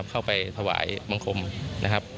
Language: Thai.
เข้าไปถวายบังคมนะครับ